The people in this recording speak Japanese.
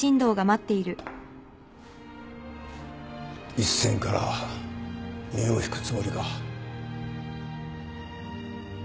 一線から身を引くつもりか？